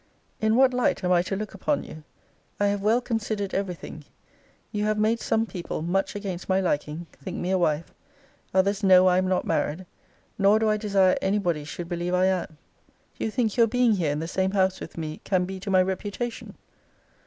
In what light am I to look upon you? I have well considered every thing. You have made some people, much against my liking, think me a wife: others know I am not married; nor do I desire any body should believe I am: Do you think your being here in the same house with me can be to my reputation?